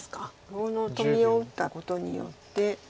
このトビを打ったことによって。